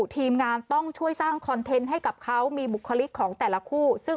ทีมงานต้องช่วยสร้างคอนเทนต์ให้กับเขามีบุคลิกของแต่ละคู่